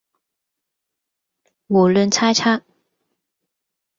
胡亂猜測